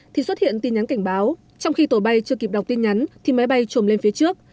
thì xuất hiện tin nhắn cảnh báo trong khi tổ bay chưa kịp đọc tin nhắn thì máy bay trồm lên phía trước